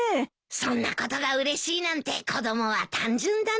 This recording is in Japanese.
そんなことがうれしいなんて子供は単純だな。